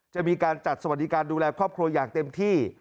จะมีการจัดสวัสดิการดูแลครอบครัวอย่างเต็มที่